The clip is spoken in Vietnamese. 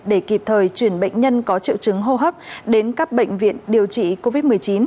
để kịp thời chuyển bệnh nhân có triệu chứng hô hấp đến các bệnh viện điều trị covid một mươi chín